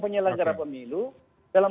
penyelenggara pemilu dalam